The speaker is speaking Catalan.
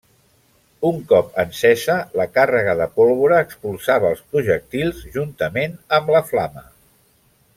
Un cop encesa, la càrrega de pólvora expulsava els projectils juntament amb la flama.